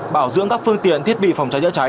bảo dưỡng các phương tiện thiết bị phòng cháy chữa cháy